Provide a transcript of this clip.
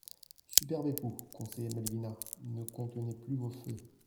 «Superbes époux, conseillait Malvina, ne contenez plus vos feux.